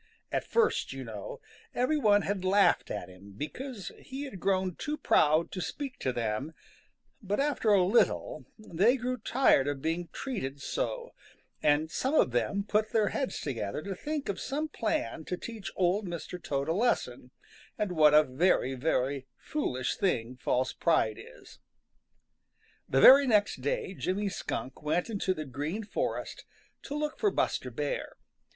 At first, you know, every one had laughed at him, because he had grown too proud to speak to them, but after a little they grew tired of being treated so, and some of them put their heads together to think of some plan to teach Old Mr. Toad a lesson and what a very, very foolish thing false pride is. The very next day Jimmy Skunk went into the Green Forest to look for Buster Bear.